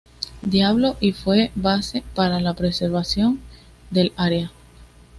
Diablo y fue base para la preservación del área.